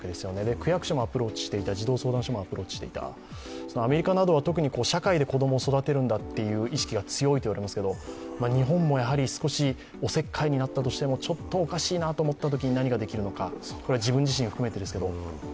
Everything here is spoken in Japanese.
区役所もアプローチもしていた児童相談所もアプローチしていたアメリカなどは特に社会で子供を育てるんだという意識が強いんだといいますけれども日本も少しおせっかいになったとしても、ちょっとおかしいなと思ったときに何ができるのか、自分自身含めてですけど。